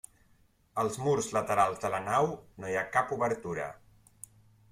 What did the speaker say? Als murs laterals de la nau no hi ha cap obertura.